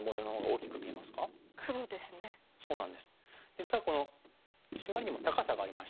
実はこのシマリにも高さがありまして。